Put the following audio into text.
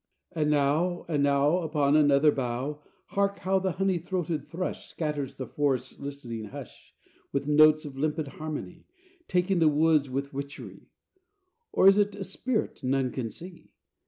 And now, and now, Upon another bough, Hark how the honey throated thrush Scatters the forest's listening hush With notes of limpid harmony, Taking the woods with witchery Or is 't a spirit, none can see.